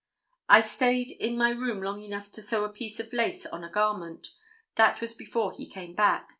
I stayed in my room long enough to sew a piece of lace on a garment. That was before he came back.